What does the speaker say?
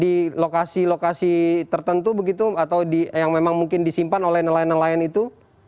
di lokasi lokasi tertentu begitu atau yang memang mungkin disimpan oleh nelayan nelayan itu